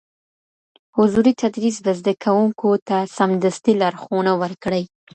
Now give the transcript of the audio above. حضوري تدريس به زده کوونکو ته سمدستي لارښوونه ورکړي.